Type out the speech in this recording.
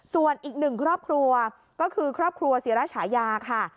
ส่วนอีกหนึ่งครอบครัวก็คือครอบครัวศิราชายาค่ะ